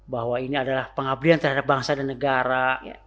bahwa ini adalah pengabdian terhadap bangsa dan negara